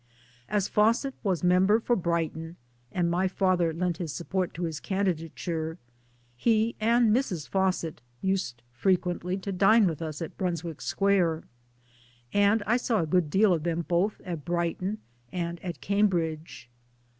As Fawcett was member for Brighton and my father lent his support to his candidaturehe, and Mrs. Fawcett, used fre quently to dine with us at Brunswick Square, and I saw a good deal of them both at Brighton and at Cambridge.